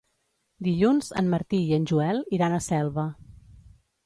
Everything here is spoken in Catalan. Dilluns en Martí i en Joel iran a Selva.